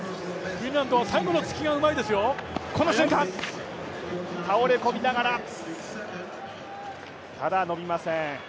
最後の突きがうまいですよ。倒れ込みながら、ただ、伸びません。